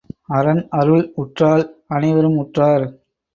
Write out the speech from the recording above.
அரன் அருள் உற்றால் அனைவரும் உற்றார்.